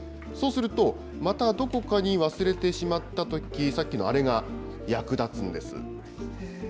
そうすると、またどこかに忘れてしまったとき、さっきのあれが役立つんです。